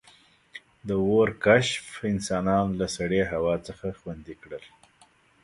• د اور کشف انسانان له سړې هوا څخه خوندي کړل.